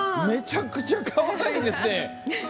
めちゃくちゃかわいいですね！